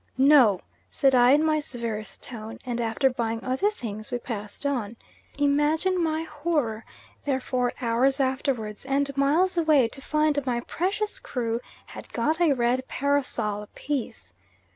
"NO," said I, in my severest tone, and after buying other things, we passed on. Imagine my horror, therefore, hours afterwards and miles away, to find my precious crew had got a red parasol apiece.